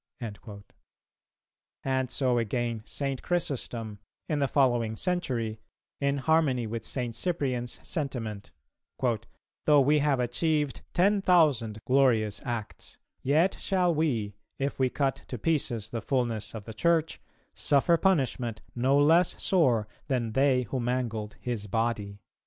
"[269:1] And so again St. Chrysostom, in the following century, in harmony with St. Cyprian's sentiment: "Though we have achieved ten thousand glorious acts, yet shall we, if we cut to pieces the fulness of the Church, suffer punishment no less sore than they who mangled His body."